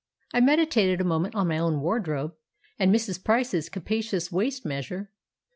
I meditated a moment on my own wardrobe and Mrs. Price's capacious waist measure!